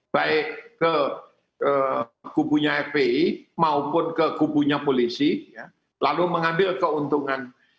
baik ke kubunya fpi maupun ke kubunya polisi lalu mengambil keuntungan